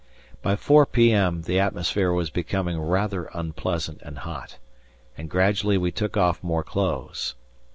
By 4 p.m. the atmosphere was becoming rather unpleasant and hot, and gradually we took off more clothes.